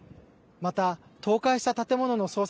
また倒壊した建物の捜索